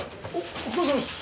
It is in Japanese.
お疲れさまです！